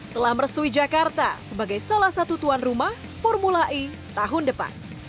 telah merestui jakarta sebagai salah satu tuan rumah formula e tahun depan